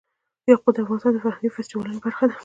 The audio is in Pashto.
یاقوت د افغانستان د فرهنګي فستیوالونو برخه ده.